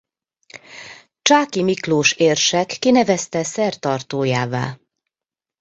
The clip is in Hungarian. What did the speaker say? Csáky Miklós érsek kinevezte szertartójává.